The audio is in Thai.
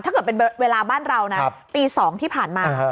ถ้าเกิดเป็นเวลาบ้านเรานะตี๒ที่ผ่านมา